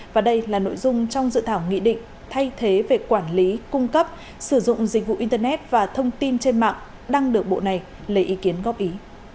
và đây là nội dung trong dự thảo nghị định thay thế về quản lý cung cấp sử dụng dịch vụ internet và thông tin trên mạng đang được bộ này lấy ý kiến góp ý